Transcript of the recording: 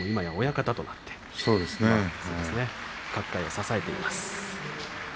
角界を支えています。